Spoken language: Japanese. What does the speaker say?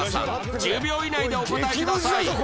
１０秒以内でお答えください